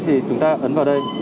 thì chúng ta ấn vào đây